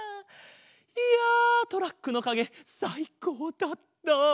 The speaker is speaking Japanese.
いやトラックのかげさいこうだった。